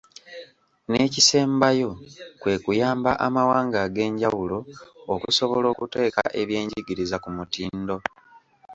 N'ekisembayo kwe kuyamba amawanga ag'enjawulo okusobola okuteeka ebyenjigiriza ku mutindo.